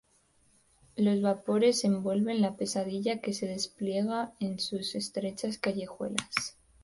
Los vapores envuelven la pesadilla que se despliega en sus estrechas callejuelas.